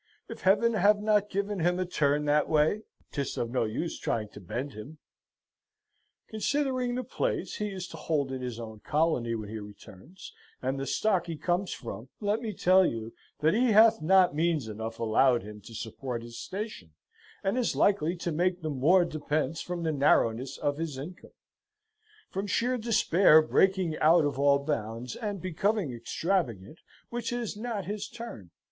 If Heaven have not given him a turn that way, 'tis of no use trying to bend him. "Considering the place he is to hold in his own colony when he returns, and the stock he comes from, let me tell you, that he hath not means enough allowed him to support his station, and is likely to make the more depence from the narrowness of his income from sheer despair breaking out of all bounds, and becoming extravagant, which is not his turn.